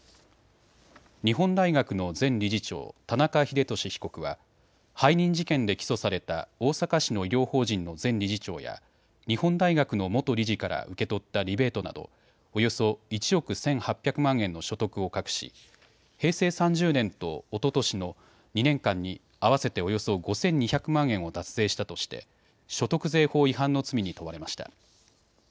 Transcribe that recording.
日本大学の前理事長、田中英壽被告は背任事件で起訴された大阪市の医療法人の前理事長や日本大学の元理事から受け取ったリベートなどおよそ１億１８００万円の所得を隠し平成３０年とおととしの２年間に合わせておよそ５２００万円を脱税したとして所得税法違反の罪に問われました。